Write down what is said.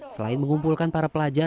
selain mengumpulkan para pelajar